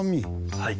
はい。